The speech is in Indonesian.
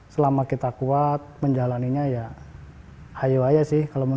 selama kita kuat menjalannya ya ayo aja sih